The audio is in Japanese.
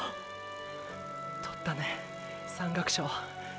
獲ったね山岳賞。